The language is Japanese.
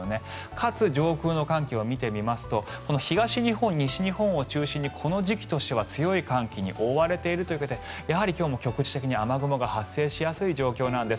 かつ、上空の寒気を見てみるとこの東日本、西日本を中心にこの時期としては強い寒気に覆われているということでやはり今日も局地的に雨雲が発生しやすい状況なんです。